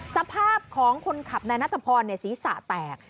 สภาพของคนขับนายนัทพรศีรษะแตก